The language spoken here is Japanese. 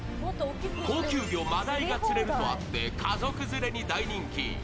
高級魚、マダイが釣れるとあって家族連れに大人気。